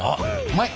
うまい！